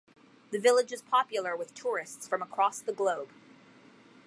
The village is popular with tourists from across the globe.